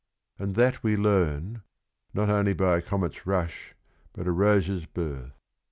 and that we learn "not only by acomet's rush, but a rose's birth."